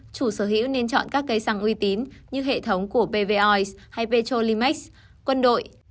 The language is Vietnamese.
chủ sở hữu nên chọn các cây xăng uy tín như hệ thống của pvois hay petrolimex quân đội